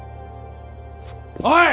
おい